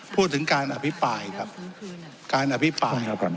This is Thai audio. พูดถึงการอภิปัยครับการอภิปัย